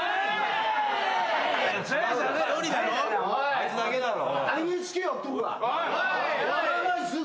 あいつだけだろ。